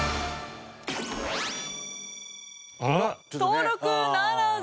登録ならず。